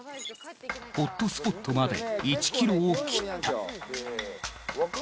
ホットスポットまで１ｋｍを切った。